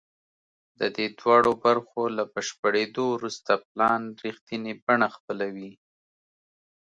د دې دواړو برخو له بشپړېدو وروسته پلان رښتینې بڼه خپلوي